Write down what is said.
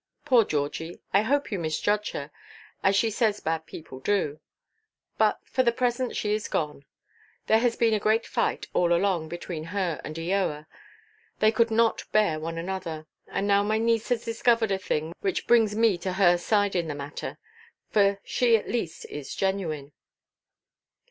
Poor Georgie, I hope you misjudge her, as she says bad people do. But for the present she is gone. There has been a great fight, all along, between her and Eoa; they could not bear one another. And now my niece has discovered a thing which brings me to her side in the matter, for she at least is genuine."